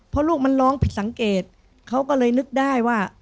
เพราะลูกมันร้องผิดสังเกตเขาก็เลยนึกได้ว่า